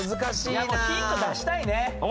ヒント出したいね。